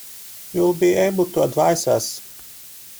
You will be able to advise us.